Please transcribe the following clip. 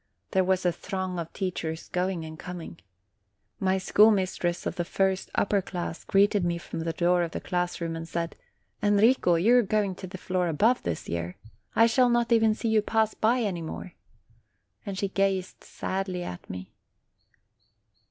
There was a throng of teachers going and coming. My school mistress of the first upper class greeted me from the door of the class room, and said : "Enrico, you are going to the floor above, this year. I shall not even see you pass by any more!" And she gazed sadly at me.